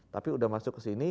tapi udah masuk ke sini